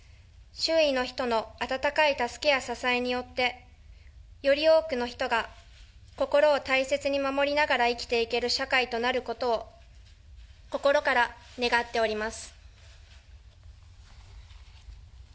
周囲の人の温かい助けや支えによって、より多くの人が心を大切に守りながら生きていける社会となることを、心から願っております。